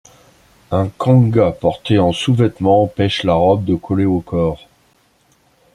Un kanga porté en sous-vêtement empêche la robe de coller au corps.